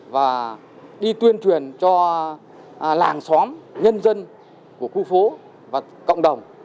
và đi tuyên truyền cho làng xóm nhân dân của khu phố và cộng đồng